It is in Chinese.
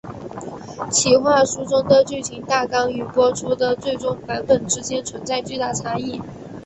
企划书中的剧情大纲与播出的最终版本之间存在巨大差异。